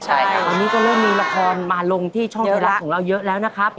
ตอนนี้ก็เริ่มมีละครมาลงที่ช่องไทยรัฐของเราเยอะแล้วนะครับ